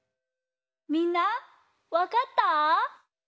みんなわかった？